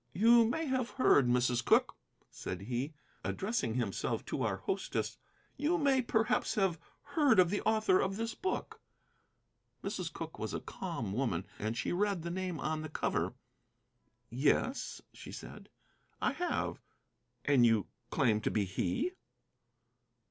"You may have heard, Mrs. Cooke," said he, addressing himself to our hostess, "you may perhaps have heard of the author of this book." Mrs. Cooke was a calm woman, and she read the name on the cover. "Yes," she said, "I have. And you claim to be he?"